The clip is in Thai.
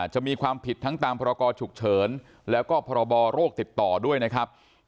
จะมีความผิดทั้งตามพรกรฉุกเฉินแล้วก็พรบโรคติดต่อด้วยนะครับ